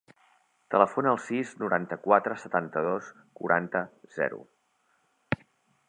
Telefona al sis, noranta-quatre, setanta-dos, quaranta, zero.